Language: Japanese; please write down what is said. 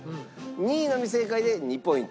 ２位のみ正解で２ポイント。